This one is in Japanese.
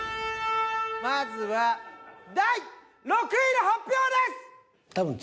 まずは第６位の発表です！